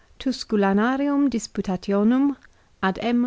" Tusculanarum Disputati onum, ad M.